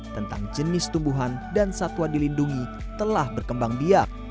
tentang jenis tumbuhan dan satwa dilindungi telah berkembang biak